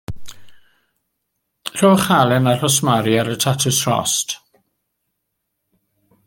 Rhowch halan a rhosmari ar y tatws rhost.